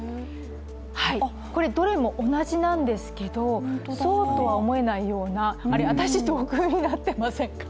これ、どれも同じなんですけど、そうとは思えないようなあれ、私、土偶になっていませんか？